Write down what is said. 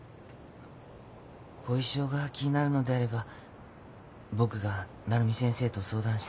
後遺症が気になるのであれば僕が鳴海先生と相談して。